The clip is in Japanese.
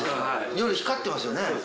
夜光ってますよね。